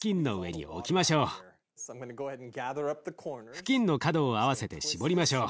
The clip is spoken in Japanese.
布巾の角を合わせて絞りましょう。